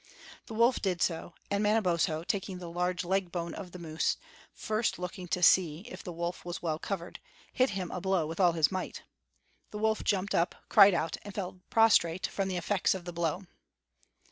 The wolf did so; and Manabozho, taking the large leg bone of the moose, first looking to see if the wolf was well covered, hit him a blow with all his might. The wolf jumped up, cried out, and fell prostrate from the effects of the blow.